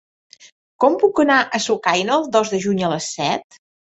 Com puc anar a Sucaina el dos de juny a les set?